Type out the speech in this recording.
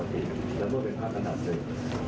แล้วไม่ว่าก็เป็นพัฒนาศิศ